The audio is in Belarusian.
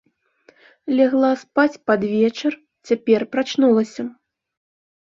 Лягла спаць пад вечар, цяпер прачнулася.